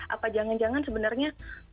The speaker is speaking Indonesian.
apa jangan jangan sebenarnya